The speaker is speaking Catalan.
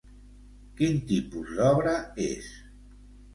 Quin tipus d'obra és?